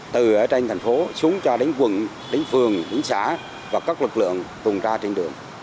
từ ở trên thành phố xuống cho đến quận đến phường đến xã và các lực lượng tuần tra trên đường